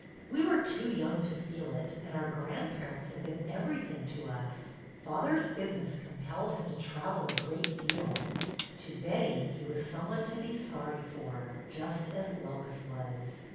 " We were too young to feel it ; and our grandparents have been everything to us. Father's business compels him to travel a great deal." To Betty he was some one to be sorry for, just as Lois was.